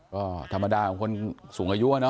ก็ธรรมดาของคนสูงอายุอะเนาะ